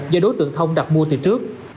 do đối tượng thông đặt mua từ trước